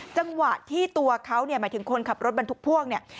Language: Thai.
จังหวะที่ตัวเขาหมายถึงคนขับรถบรรทุกพ่วง